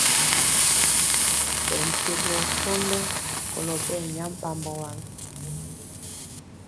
Ɓɛ nkye dwɔ sɔndɔ kolɔ ɓɛ nyampambɔ waŋ.